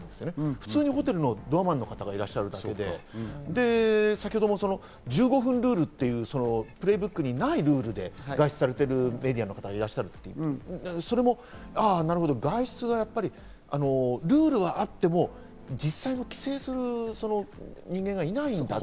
普通にホテルのドアマンの方がいらっしゃるだけで、先程も１５分ルールっていうプレイブックにないルールで外出されているメディアの方がいらっしゃっているとなるほど、外出がルールはあっても、実際規制する人間がいないんだと。